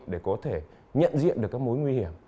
để có thể nhận diện được các mối nguy hiểm